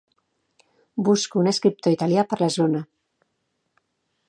Busco un escriptor italià per la zona.